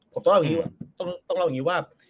ผมต้องเล่าอย่างนี้ว่า